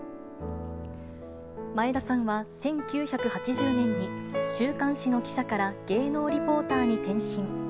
前田さんは１９８０年に週刊誌の記者から芸能リポーターに転身。